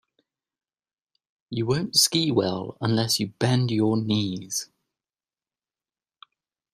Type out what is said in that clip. You won't ski well unless you bend your knees